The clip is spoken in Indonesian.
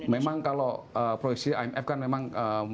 memang kalau proyeksi imf kan memang